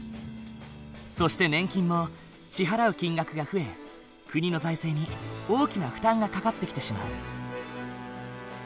そして年金も支払う金額が増え国の財政に大きな負担がかかってきてしまう。